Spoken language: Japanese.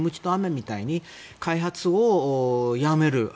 アメとムチみたいに開発をやめる。